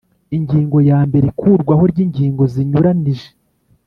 Ingingo ya mbere Ikurwaho ry ingingo zinyuranije